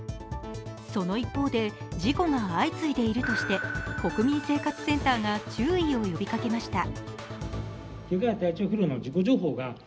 その一方で、事故が相次いでいるとして国民生活センターが注意を呼びかけました。